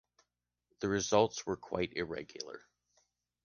The results were quite irregular.